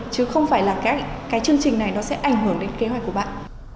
chứ không phải là cái chương trình này nó sẽ ảnh hưởng đến kế hoạch của bạn